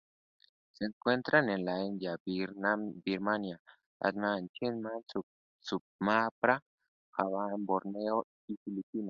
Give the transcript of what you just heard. Se encuentra en la India, Birmania, Vietnam, China, Sumatra, Java, Borneo y Filipinas.